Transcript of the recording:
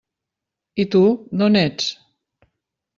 I tu, d'on ets?